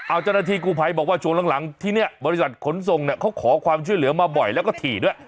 เอาเจ้าหน้าที่กูภัยบอกว่าช่วงหลังที่เนี่ยบริษัทขนส่งเนี่ยเขาขอความช่วยเหลือมาบ่อยแล้วก็ถี่ด้วย